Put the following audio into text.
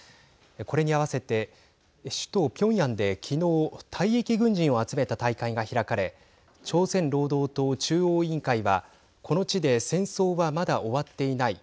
これに合わせて首都ピョンヤンで、きのう退役軍人を集めた大会が開かれ朝鮮労働党中央委員会はこの地で戦争はまだ終わっていない。